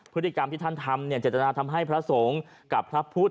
พฤติกรรมที่ท่านทำเจตนาทำให้พระสงฆ์กับพระพุทธ